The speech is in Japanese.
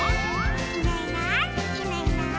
「いないいないいないいない」